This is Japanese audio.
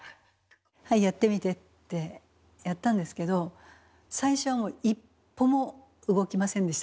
「はいやってみて」ってやったんですけど最初はもう一歩も動きませんでした体が。